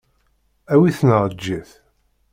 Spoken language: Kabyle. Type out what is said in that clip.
Awi-t neɣ eǧǧ-it.